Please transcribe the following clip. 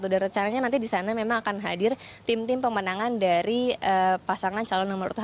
dan acaranya nanti di sana memang akan hadir tim tim pemenangan dari pasangan calon nomor satu